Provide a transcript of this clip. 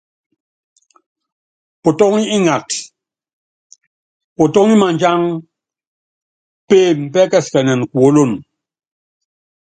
Potóŋi ingata, potóŋi madjang, peeme pɛ́kɛsikɛnɛn kuólono.